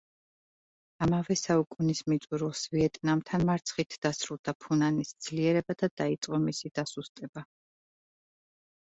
ამავე საუკუნის მიწურულს, ვიეტნამთან მარცხით დასრულდა ფუნანის ძლიერება და დაიწყო მისი დასუსტება.